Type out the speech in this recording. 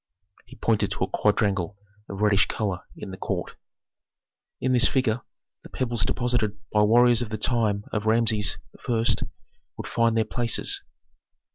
He pointed to a quadrangle of reddish color in the court. "In this figure the pebbles deposited by warriors of the time of Rameses I. would find their places.